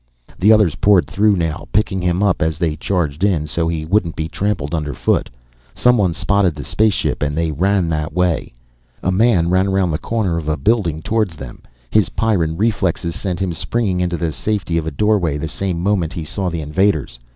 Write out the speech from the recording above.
The others poured through now, picking him up as they charged in so he wouldn't be trampled underfoot. Someone spotted the spaceship and they ran that way. A man ran around the corner of a building towards them. His Pyrran reflexes sent him springing into the safety of a doorway the same moment he saw the invaders.